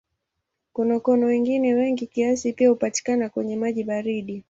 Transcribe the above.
Konokono wengine wengi kiasi pia hupatikana kwenye maji baridi.